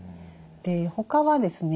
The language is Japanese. でほかはですね